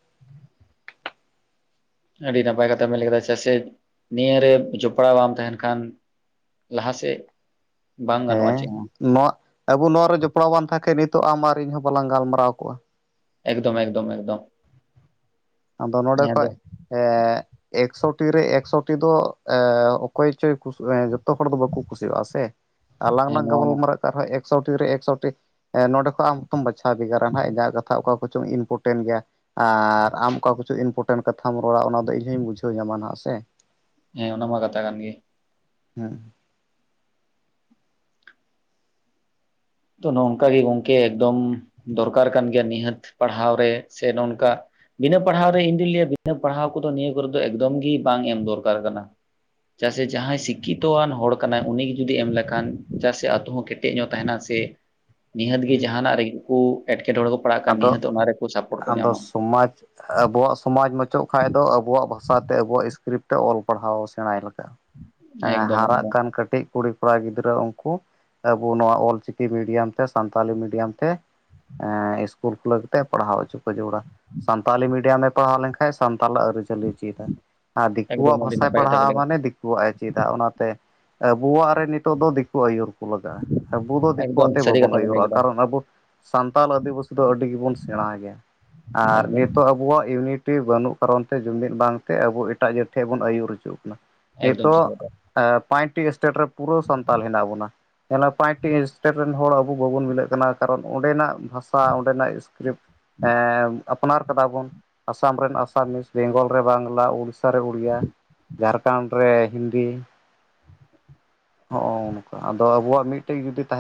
ᱟᱹᱰᱤ ᱱᱟᱯᱟᱭ ᱠᱟᱛᱷᱟ ᱵᱮᱱ ᱞᱟᱹᱭ ᱠᱮᱫᱟ ᱪᱮᱫᱟᱜ ᱥᱮ ᱱᱤᱭᱟᱹᱨᱮ ᱡᱚᱯᱲᱟᱣ ᱵᱟᱢ ᱛᱟᱦᱮᱱ ᱠᱷᱟᱱ ᱞᱟᱦᱟ ᱥᱮᱫ ᱵᱟᱝ ᱜᱟᱱᱚᱜ-ᱟ ᱦᱮᱸ ᱪᱮᱫ ᱦᱚᱸ ᱾ ᱱᱚᱣᱟ ᱟᱵᱚ ᱱᱚᱣᱟ ᱨᱮ ᱡᱚᱯᱲᱟᱣ ᱵᱟᱝ ᱛᱟᱦᱮᱸ ᱠᱷᱟᱡ ᱱᱤᱛᱚᱜ ᱟᱢ ᱟᱨ ᱤᱧᱦᱚᱸ ᱵᱟᱞᱟᱝ ᱜᱟᱞᱢᱟᱨᱟᱣ ᱠᱚᱜ-ᱟ ᱾ ᱮᱠᱫᱚᱢ ᱮᱠᱫᱚᱢ ᱮᱠᱫᱚᱢ ᱾ ᱟᱫᱚ ᱱᱚᱸᱰᱮ ᱠᱷᱚᱡ ᱮᱠᱥᱚᱴᱤ ᱨᱮ ᱮᱠᱥᱚᱴᱤ ᱫᱚ ᱮ ᱚᱠᱚᱭ ᱪᱚᱭ ᱡᱚᱛᱚ ᱦᱚᱲ ᱫᱚ ᱵᱟᱠᱚ ᱠᱩᱥᱤᱣᱟᱜ-ᱟ ᱥᱮ ᱾ ᱟᱞᱟᱝ ᱦᱮᱸ ᱞᱟᱝ ᱱᱚᱣᱟ ᱢᱟ ᱜᱟᱞᱢᱟᱨᱟᱜ ᱠᱟᱱ ᱨᱮᱦᱚᱸ ᱮᱠᱥᱚᱴᱤ ᱨᱮ ᱮᱠᱥᱚᱴᱤ ᱱᱚᱸᱰᱮ ᱠᱷᱚᱱᱚᱡ ᱟᱢ ᱦᱚᱸᱚᱛᱚᱢ ᱵᱟᱪᱷᱟᱣ ᱵᱷᱮᱜᱟᱨᱟ ᱦᱟᱸᱜ ᱤᱧᱟᱹᱜ ᱠᱟᱛᱷᱟ ᱚᱠᱟ ᱠᱚᱪᱚᱝ ᱤᱢᱯᱨᱚᱴᱮᱱᱴ ᱜᱮᱭᱟ, ᱟᱨ ᱟᱢ ᱚᱠᱟ ᱠᱤᱪᱷᱩ ᱤᱱᱯᱚᱴᱮᱱᱴ ᱠᱟᱛᱷᱟ ᱨᱚᱲ ᱚᱱᱟ ᱤᱧ ᱦᱚᱸ ᱵᱩᱡᱷᱣ ᱧᱟᱢᱟ ᱦᱟᱸᱜ ᱥᱮ ᱾ ᱦᱮᱸ ᱚᱱᱟ ᱢᱟ ᱠᱟᱛᱷᱟ ᱠᱟᱱ ᱜᱮ᱾ ᱦᱮᱸ᱾ ᱛᱚ ᱱᱚᱝᱠᱟ ᱜᱮ ᱜᱚᱝᱠᱮ ᱮᱠᱫᱚᱢ ᱫᱚᱨᱠᱟᱨ ᱠᱟᱱ ᱜᱮᱭᱟ ᱱᱤᱦᱟᱹᱛ ᱯᱟᱲᱦᱟᱣ ᱨᱮ ᱥᱮ ᱱᱚᱝᱠᱟ ᱵᱤᱱᱟᱹ ᱯᱟᱲᱦᱟᱣ ᱨᱮ ᱤᱧᱫᱩᱧ ᱞᱟᱹᱭᱟ ᱵᱤᱱᱟᱹ ᱯᱟᱲᱦᱟᱣ ᱠᱚᱫᱚ ᱱᱤᱭᱟᱹ ᱠᱚᱨᱮ ᱫᱚ ᱮᱠᱫᱚᱢ ᱜᱮ ᱵᱟᱝ ᱮᱢ ᱫᱚᱨᱠᱟᱨ ᱠᱟᱱᱟ᱾ ᱡᱟᱭ ᱥᱮ ᱡᱟᱦᱟᱸᱭ ᱥᱤᱠᱷᱤᱛᱚᱶᱟᱱ ᱦᱚᱲ ᱠᱟᱱᱟᱭ ᱩᱭᱱᱝᱱᱤ ᱜᱮ ᱡᱩᱫᱤ ᱮᱢ ᱞᱮᱠᱷᱟᱱ ᱡᱟᱭ ᱥᱮ ᱟᱛ ᱦᱚᱸ ᱠᱮᱴᱮᱡ ᱧᱚᱜ ᱛᱟᱦᱮᱸᱱᱟ ᱥᱮ ᱱᱤᱦᱟᱹᱛ ᱜᱮ ᱡᱟᱦᱟᱸᱱᱟᱜ ᱨᱮᱜᱮ ᱠᱚ ᱮᱴᱠᱮᱴᱚᱬᱮ ᱠᱚ ᱯᱟᱲᱟᱜ ᱠᱟᱱ ᱟᱫᱚ ᱱᱤᱦᱟᱹᱛ ᱚᱱᱟ ᱨᱮᱠᱚ ᱥᱟᱯᱳᱨᱴ ᱠᱚ ᱧᱟᱢᱟ ᱾ ᱟᱵᱩᱣᱟᱜ ᱥᱚᱢᱟᱡ ᱢᱟᱪᱚᱜ ᱠᱷᱟᱱᱡ ᱫᱚ ᱟᱵᱩᱣᱟᱜ ᱵᱷᱟᱥᱟᱛᱮ ᱟᱵᱩᱣᱟᱜ ᱥᱤᱥᱠᱨᱤᱯᱴ ᱛᱮ ᱚᱞ ᱯᱟᱲᱦᱟᱣ ᱥᱮᱬᱟᱭ ᱞᱮᱠᱷᱟᱡ ᱦᱮᱸ ᱮᱠᱫᱚᱢ ᱦᱟᱨᱟᱜ ᱮᱠᱫᱚᱢ ᱠᱟᱱ ᱠᱟᱹᱴᱤᱡ ᱠᱩᱲᱤ ᱠᱚᱲᱟ ᱜᱤᱫᱽᱨᱟᱹ ᱩᱱᱠᱩ ᱟᱵᱚ ᱱᱚᱣᱟ ᱚᱞᱪᱤᱠᱤ ᱢᱤᱰᱤᱭᱟᱢ ᱛᱮ ᱥᱟᱱᱛᱟᱞᱤ ᱢᱤᱰᱤᱭᱟᱢ ᱛᱮ ᱮᱸ ᱤᱥᱠᱩᱞ ᱠᱷᱩᱞᱟᱹᱣ ᱠᱟᱛᱮᱜ ᱯᱟᱲᱦᱟᱣ ᱦᱚᱪᱚ ᱠᱚ ᱡᱟᱹᱲᱩᱲᱟ᱾ ᱥᱟᱱᱛᱟᱞᱤ ᱢᱤᱰᱤᱭᱟᱢᱮ ᱯᱟᱲᱦᱟᱣ ᱞᱮᱱᱠᱷᱟᱱᱡ ᱥᱟᱱᱛᱟᱞᱟᱜ ᱟᱹᱨᱤᱪᱟᱹᱞᱤ ᱪᱮᱫᱟ᱾ ᱟ ᱮᱠᱫᱚᱢ ᱫᱤᱠᱩᱣᱟᱜ ᱟᱹᱰᱤ ᱵᱷᱟᱥᱟᱭ ᱱᱟᱯᱟᱭ ᱠᱟᱛᱷᱟ ᱵᱮᱱ ᱯᱟᱲᱦᱟᱜᱼᱟ ᱞᱟᱹᱭ ᱠᱮᱫᱟ ᱢᱟᱱᱮ ᱫᱤ ᱠᱩᱣᱟᱜ ᱮ ᱪᱮᱫᱟ ᱚᱱᱟᱛᱮ ᱟᱵᱚᱣᱟᱜ ᱨᱮ ᱱᱤᱛᱚᱜ ᱫᱚ ᱫᱤᱠᱩ ᱟᱹᱭᱩᱨ ᱠᱚ ᱞᱟᱜᱟᱜᱼᱟ ᱟᱵᱚ ᱫᱚ ᱫᱤᱠᱩᱣᱟᱜ ᱮᱠᱫᱚᱢ ᱛᱮ ᱥᱟᱹᱨᱤ ᱵᱟᱵᱚᱱ ᱠᱟᱛᱷᱟ ᱵᱮᱱ ᱞᱟᱹᱭ ᱟᱹᱭᱩᱨᱚᱜᱼᱟ ᱠᱮᱫᱟ ᱠᱟᱨᱚᱱ ᱟᱵᱚ ᱥᱟᱱᱛᱟᱲ ᱟᱹᱫᱤᱵᱟᱹᱥᱤ ᱫᱚ ᱟᱹᱰᱤ ᱜᱮᱵᱚᱱ ᱥᱮᱬᱟ ᱜᱮᱭᱟ, ᱟᱨ ᱮᱠᱫᱚᱢ ᱱᱤᱛᱚᱜ ᱟᱵᱚᱣᱟᱜ ᱤᱭᱩᱱᱤᱴᱤ ᱵᱟᱹᱱᱩᱜ ᱠᱟᱨᱚᱱ ᱛᱮ ᱡᱩᱢᱤᱫ ᱵᱟᱝᱛᱮ ᱟᱵᱚ ᱮᱴᱟᱜ ᱡᱟᱹᱛ ᱴᱷᱮᱱ ᱵᱚᱱ ᱟᱹᱭᱩᱨ ᱚᱪᱩᱜ ᱠᱟᱱᱟ᱾ ᱮᱠᱫᱚᱢ ᱱᱤᱛᱚᱜ ᱥᱟᱹᱨᱤ ᱠᱟᱛᱷᱟ ᱯᱟᱸᱪᱴᱤ ᱥᱴᱮᱴ ᱨᱮ ᱯᱩᱨᱟᱹ ᱥᱟᱱᱛᱟᱞ ᱦᱮᱱᱟᱸᱜ ᱵᱚᱱᱟ᱾ ᱚᱱᱟ ᱯᱟᱸᱪᱴᱤ ᱥᱴᱮᱴ ᱨᱮᱱ ᱦᱚᱲ ᱟᱵᱚ ᱵᱟᱵᱚᱱ ᱢᱤᱞᱟᱹᱜ ᱠᱟᱱᱟ ᱠᱟᱨᱚᱱ ᱚᱸᱰᱮᱱᱟᱜ ᱵᱷᱟᱥᱟ ᱚᱸᱰᱮᱱᱟᱜ ᱮᱥᱠᱨᱤᱯᱴ ᱮ ᱟᱯᱱᱟᱨ ᱠᱟᱫᱟ ᱵᱚᱱ ᱟᱥᱟᱢ ᱨᱮᱱ ᱟᱥᱟᱢᱤᱥ, ᱵᱮᱝᱜᱚᱞ ᱨᱮ ᱵᱟᱝᱞᱟ, ᱩᱲᱤ ᱥᱥᱟ ᱨᱮ ᱩᱲᱤᱭᱟ, ᱡᱷᱟᱲᱠᱷᱚᱸᱰ ᱨᱮ ᱦᱤᱱᱫᱤ᱾ ᱦᱚᱸᱜᱼᱚᱝᱠᱟ ᱟᱫᱚ ᱟᱵᱚᱣᱟᱜ ᱢᱤᱫᱴᱮᱡ ᱡᱩᱫᱤ ᱛᱟᱦᱮᱸ